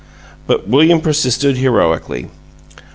But William persisted heroically.